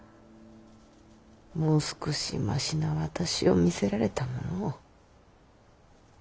もう少しましな私を見せられたものを。